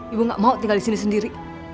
ibu gak mau tinggal disini sendiri